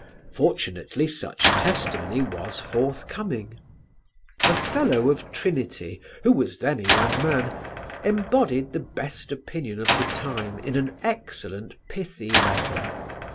Fortunately such testimony was forthcoming. A Fellow of Trinity, who was then a young man, embodied the best opinion of the time in an excellent pithy letter.